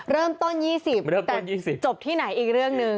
เริ่มต้น๒๐เริ่มต้นจบที่ไหนอีกเรื่องหนึ่ง